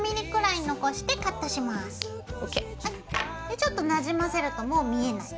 ＯＫ！でちょっとなじませるともう見えない。